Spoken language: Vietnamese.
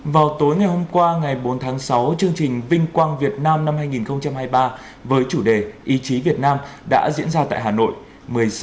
vào tối ngày hôm qua ngày bốn tháng sáu chương trình vinh quang việt nam năm hai nghìn hai mươi ba với chủ đề ý chí việt nam đã diễn ra tại hà nội